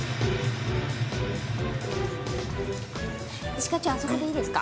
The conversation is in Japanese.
一課長あそこでいいですか？